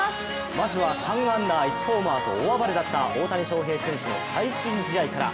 まずは３安打１ホーマーと大暴れだった大谷翔平選手の最新試合から。